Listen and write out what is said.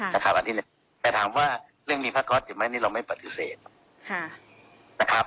แต่อันที่แต่ถามว่าเรื่องมีพระก๊อตอยู่ไหมนี่เราไม่ปฏิเสธนะครับ